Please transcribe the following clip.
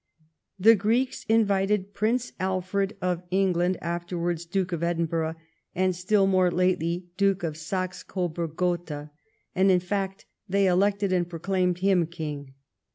The Greeks invited Prince Alfred of England, afterwards Duke of Edinburgh, and still more lately Duke of Saxc Coburg Gotha, and in fact they elected and proclaimed him King.